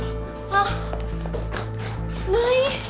あっない。